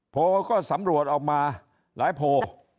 โพลก็สำรวจออกมาหลายโพล